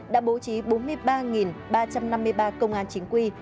đã bố trí bốn mươi ba ba trăm năm mươi ba công an chính quy